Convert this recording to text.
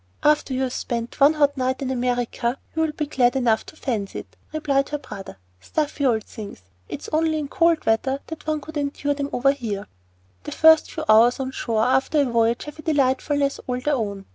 "After you've spent one hot night in America you'll be glad enough to fancy it," replied her brother. "Stuffy old things. It's only in cold weather that one could endure them over here." The first few hours on shore after a voyage have a delightfulness all their own.